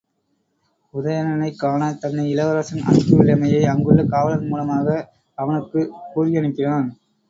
உதயணனைக் காணத் தன்னை இளவரசன் அனுப்பியுள்ளமையை அங்குள்ள காவலன் மூலமாக அவனுக்குக் கூறியனுப்பினான்.